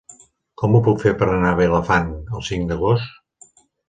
Com ho puc fer per anar a Vilafant el cinc d'agost?